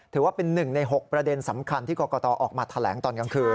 ถือว่าเป็น๑ใน๖ประเด็นสำคัญที่กรกตออกมาแถลงตอนกลางคืน